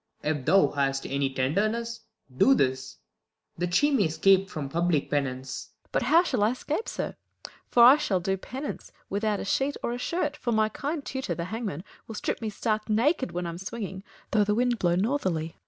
If thou hast any tenderness Do this, that she may scape from public penance. Fool. l>ut how shall I scape, sir ? I shall do penance Without a sheet or shirt : for my kind tutor, The hangman, will strip me stark naked When I'm swinging, though the wind blow north erly.